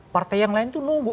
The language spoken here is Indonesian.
partai yang lain itu nunggu